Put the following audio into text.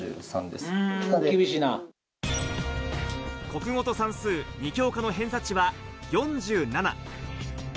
国語と算数２教科の偏差値は４７。